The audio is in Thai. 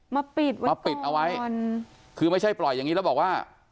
มาปิดไว้มาปิดเอาไว้มันคือไม่ใช่ปล่อยอย่างนี้แล้วบอกว่า